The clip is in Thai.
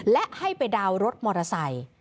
และให้ไปดาวน์รถมอเตอร์ไซค์